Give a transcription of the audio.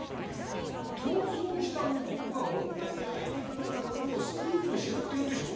逃走した男が女に会いに来るところをスクープしようっていうんでしょ？